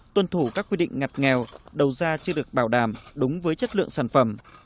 tuân thủ các quy định ngặt nghèo đầu ra chưa được bảo đảm đúng với chất lượng sản phẩm